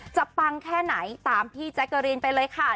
ปังแค่ไหนตามพี่แจ๊กเกอรีนไปเลยค่ะ